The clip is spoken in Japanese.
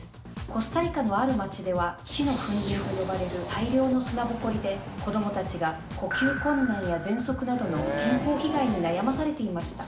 コスタリカのある町では、死の粉じんと呼ばれる大量の砂ぼこりで、子どもたちが呼吸困難やぜんそくなどの、健康被害に悩まされていました。